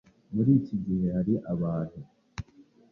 Muri iki gihe, hari abantu